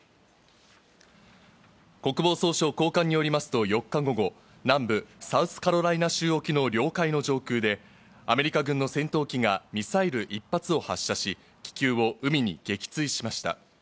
国防総省高官によりますと４日午後、南部サウスカロライナ州沖の領海の上空でアメリカ軍の戦闘機がミサイル１発を発射し、気球を海に撃墜しました。